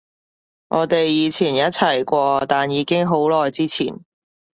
我哋以前一齊過，但已經好耐之前